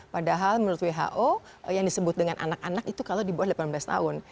padahal menurut who yang disebut dengan anak anak itu kalau di bawah delapan belas tahun